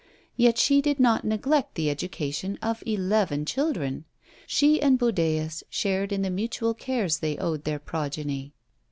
Yet she did not neglect the education of eleven children. She and Budæus shared in the mutual cares they owed their progeny.